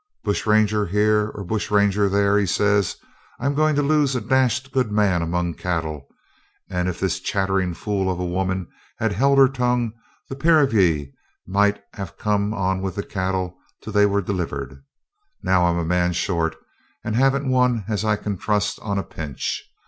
'Bush ranger here or bush ranger there,' he says, 'I'm going to lose a dashed good man among cattle; and if this chattering fool of a woman had held her tongue the pair of ye might have come on with the cattle till they were delivered. Now I'm a man short, and haven't one as I can trust on a pinch.